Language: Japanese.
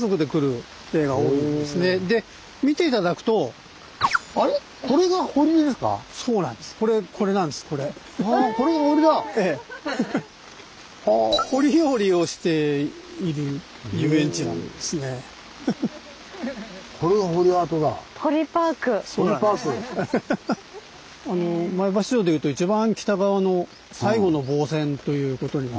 前橋城でいうと一番北側の最後の防戦ということになりますね。